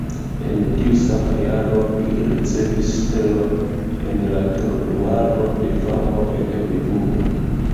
En tiu sama jaro li ricevis stelon en la Trotuaro de famo en Holivudo.